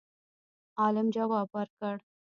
عالم جواب ورکړ